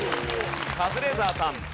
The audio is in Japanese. カズレーザーさん。